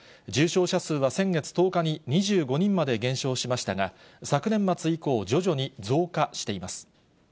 重症者数は先月１０日に２５人まで減少しましたが、昨年末以降、徐々に増加しています。